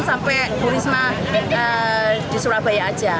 sampai risma di surabaya saja